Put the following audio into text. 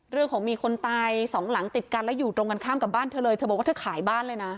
มีคนตายสองหลังติดกันแล้วอยู่ตรงกันข้ามกับบ้านเธอเลยเธอบอกว่าเธอขายบ้านเลยนะ